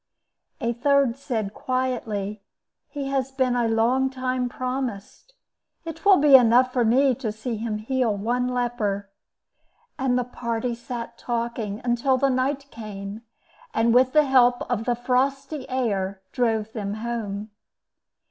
A third said, quietly, "He has been a long time promised. It will be enough for me to see him heal one leper." And the party sat talking until the night came, and, with the help of the frosty air, drove them home.